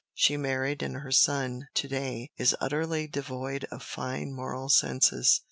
She married, and her son, to day, is utterly devoid of fine moral senses.